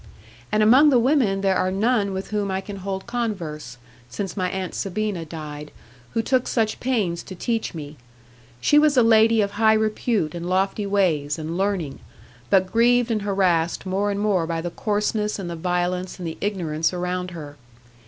'And among the women there are none with whom I can hold converse, since my Aunt Sabina died, who took such pains to teach me. She was a lady of high repute and lofty ways, and learning, but grieved and harassed more and more by the coarseness, and the violence, and the ignorance around her.